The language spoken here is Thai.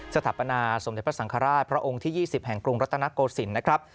สถาปนาสมเด็จพระสังฆราชพระองค์ที่๒๐แห่งกรุงรัตนโกศิลป์นะครับ